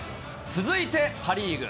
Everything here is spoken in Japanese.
続いてパ・リーグ。